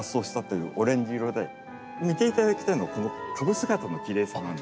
見ていただきたいのがこの株姿のきれいさなんです。